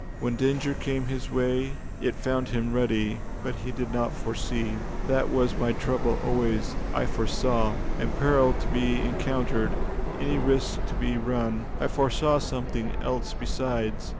When danger came his way, it found him ready, but he did not foresee. That was my trouble always, I foresaw. Any peril to be encountered, any risk to be run, I foresaw them. I foresaw something else besides.